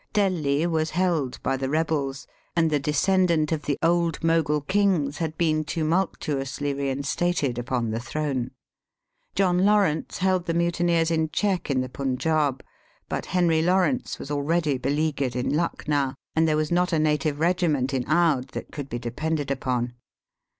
Delhi was held by the rebels, and the descendant of the old Mogul kings had been tumultuously rein stated upon the throne. John Lawrence held the mutineers in check in the Punjaub, but Henry Lawrence was already beleaguered in Lucknow, and there was not a native regiment in Oude that could be depended upon.